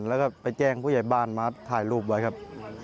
แล้วก็ไปแจ้งผู้ใหญ่บ้านมาถ่ายรูปไว้ครับ